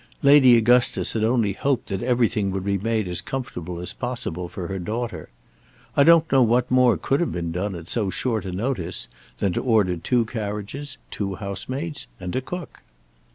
Lady Augustus had only hoped that everything would be made as comfortable as possible for her daughter. I don't know what more could have been done at so short a notice than to order two carriages, two housemaids, and a cook.